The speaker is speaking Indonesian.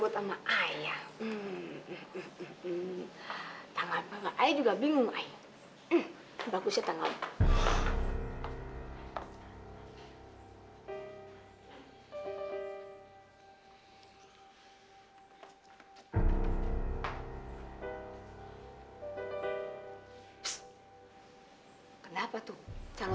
sampai jumpa di video selanjutnya